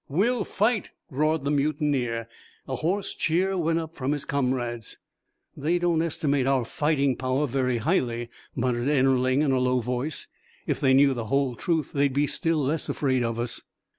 "We'll fight!" roared the mutineer. A hoarse cheer went up from his comrades. "They don't estimate our fighting power very highly," muttered Ennerling, in a low tone. "If they knew the whole truth they'd be still less afraid of us."